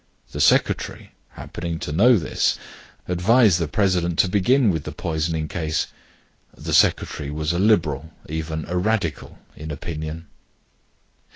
The secretary, happening to know this, advised the president to begin with the poisoning case. The secretary was a Liberal, even a Radical, in opinion.